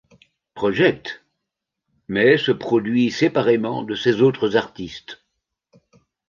Project, mais se produit séparément de ses autres artistes.